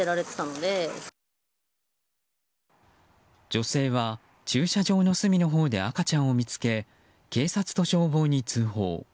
女性は駐車場の隅のほうで赤ちゃんを見つけ警察と消防に通報。